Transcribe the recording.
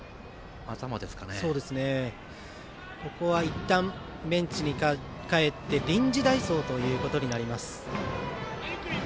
ここは、いったんベンチに帰って臨時代走ということになります。